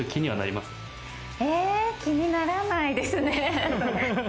気にならないですね。